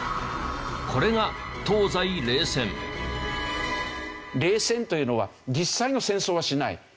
これが冷戦というのは実際の戦争はしない。